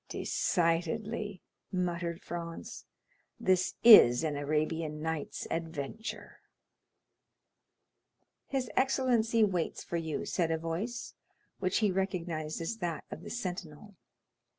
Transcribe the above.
"Decidedly," muttered Franz, "this is an Arabian Nights' adventure." "His excellency waits for you," said a voice, which he recognized as that of the sentinel.